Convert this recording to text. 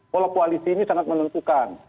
pola koalisi ini sangat menentukan